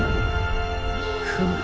フム。